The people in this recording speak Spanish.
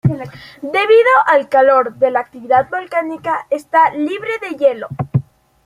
Debido al calor de la actividad volcánica, está libre de hielo.